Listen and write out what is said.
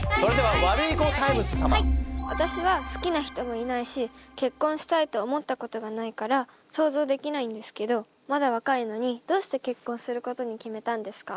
私は好きな人もいないし結婚したいと思ったことがないから想像できないんですけどまだ若いのにどうして結婚することに決めたんですか？